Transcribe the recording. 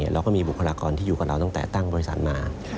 เราก็มีบุคลากรที่อยู่กับเราตั้งแต่ตั้งบริษัทมา